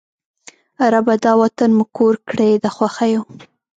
ربه! دا وطن مو کور کړې د خوښیو